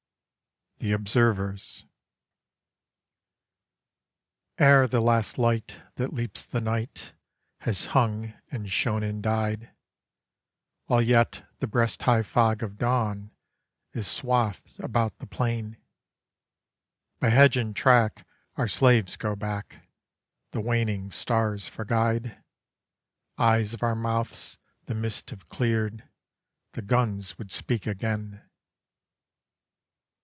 THE OBSERVERS Ere the last light that leaps the night has hung and shone and died, While yet the breast high fog of dawn is swathed about the plain, By hedge and track our slaves go back, the waning stars for guide, Eyes of our mouths; the mists have cleared, the guns would speak again!